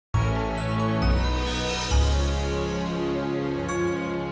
ada satu lagi yang spesial